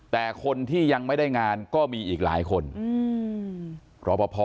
แต่คนที่ยังไม่ได้งานก็มีอีกหลายคนรอปภ